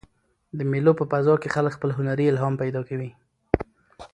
د مېلو په فضا کښي خلک خپل هنري الهام پیدا کوي.